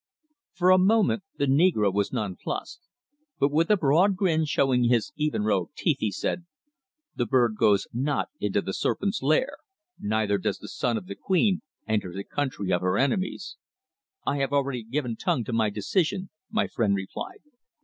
For a moment the negro was nonplussed, but with a broad grin showing his even row of teeth, he said: "The bird goes not into the serpent's lair, neither does the son of the Queen enter the country of her enemies." "I have already given tongue to my decision," my friend replied.